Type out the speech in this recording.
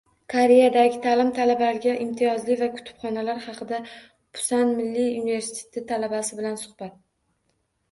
Koreyadagi ta'lim, talabalarga imtiyozlar va kutubxonalar haqida - Pusan milliy universiteti talabasi bilan suhbat